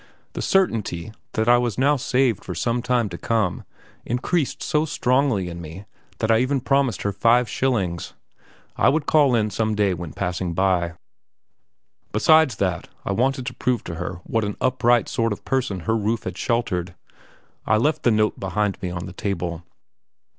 The certainty that I was now saved for some time to come increased so strongly in me that I even promised her five shillings. I would call in some day when passing by. Besides that, I wanted to prove to her what an upright sort of person her roof had sheltered. I left the note behind me on the table.